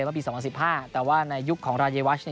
เมื่อปี๒๐๑๕แต่ว่าในยุคของราชยาวัชย์